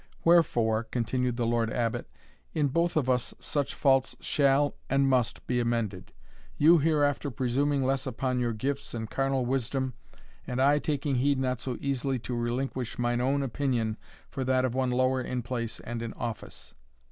Wherefore," continued the Lord Abbot, "in both of us such faults shall and must be amended you hereafter presuming less upon your gifts and carnal wisdom, and I taking heed not so easily to relinquish mine own opinion for that of one lower in place and in office.